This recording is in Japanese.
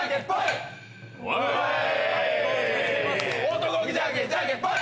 男気じゃんけん、じゃんけんぽい。